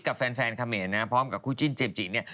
กับแฟนเขมรนะพร้อมกับคู่จิ้นเจมสจิเนี่ย